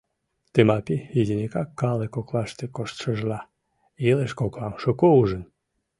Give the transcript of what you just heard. Тымапи, изинекак калык коклаште коштшыжла, илыш коклам шуко ужын.